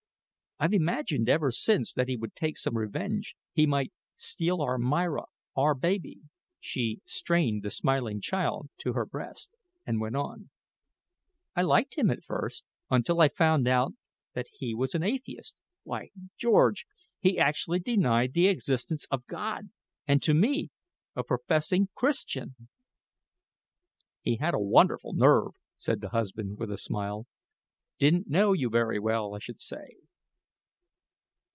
I've imagined ever since that he would take some revenge he might steal our Myra our baby." She strained the smiling child to her breast and went on. "I liked him at first, until I found out that he was an atheist why, George, he actually denied the existence of God and to me, a professing Christian." "He had a wonderful nerve," said the husband, with a smile; "didn't know you very well, I should say."